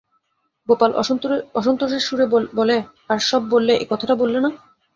গোপাল অসন্তোষের সুরে বলে, আর সব বললে, একথাটা বললে না?